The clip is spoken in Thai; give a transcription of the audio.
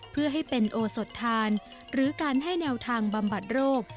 เพื่อให้เป็นโอสดทานหรือการให้แนวทางบำบัดโรค